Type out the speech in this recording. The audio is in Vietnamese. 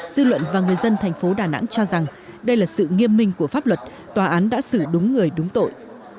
dư luận và người dân thành phố đà nẵng cho rằng đây là sự nghiêm minh của pháp luật tòa án đã xử đúng người đúng tội